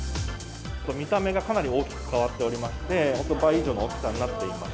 見た目がかなり大きく変わっておりまして、本当倍以上の大きさになっています。